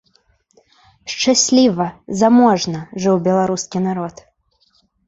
Шчасліва, заможна жыў беларускі народ!